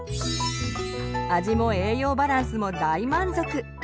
味も栄養バランスも大満足！